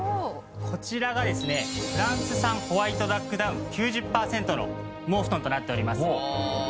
こちらがですねフランス産ホワイトダックダウン９０パーセントの羽毛布団となっております。